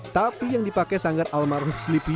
tapi yang dipakai sanggar almarhum selipi